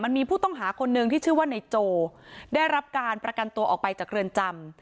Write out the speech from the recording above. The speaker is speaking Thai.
มีผู้ต้องหาคนหนึ่งที่ชื่อว่านายโจได้รับการประกันตัวออกไปจากเรือนจำ